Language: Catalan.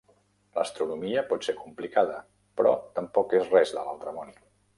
L'astronomia pot ser complicada, però tampoc és res de l'altre món.